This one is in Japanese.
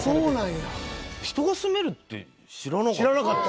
人が住めるって知らなかった。